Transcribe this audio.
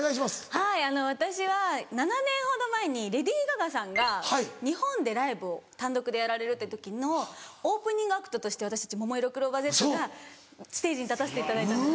はい私は７年ほど前にレディー・ガガさんが日本でライブを単独でやられるっていう時のオープニングアクトとして私たちももいろクローバーＺがステージに立たせていただいたんです。